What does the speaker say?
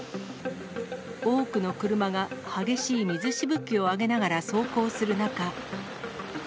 多くの車が激しい水しぶきを上げながら走行する中。